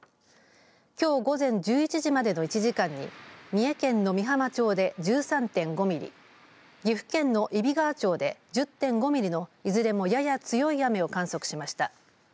きょう午前１１時までの１時間に三重県の御浜町で１３．５ミリ岐阜県の揖斐川町で１０．５ミリのいずれもやや強い雨を観測しました。